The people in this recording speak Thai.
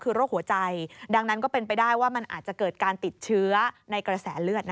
คือโรคหัวใจดังนั้นก็เป็นไปได้ว่ามันอาจจะเกิดการติดเชื้อในกระแสเลือด